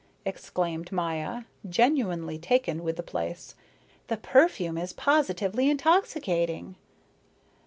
exclaimed Maya, genuinely taken with the place. "The perfume is positively intoxicating."